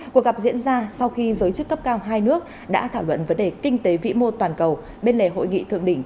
cuộc gặp diễn ra sau khi giới chức cấp cao hai nước đã thảo luận vấn đề kinh tế vĩ mô toàn cầu bên lề hội nghị thượng đỉnh